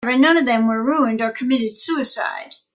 However, none of them were ruined or committed suicide.